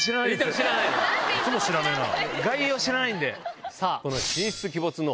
概要知らないんで。